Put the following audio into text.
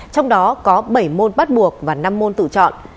trong đó có bảy môn bắt buộc và năm môn tự chọn